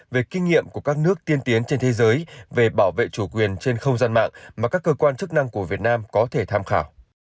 về kinh nghiệm của các nước tiên tiến trên thế giới về bảo vệ chủ quyền trên không gian mạng mà các cơ quan chức năng của việt nam có thể tham khảo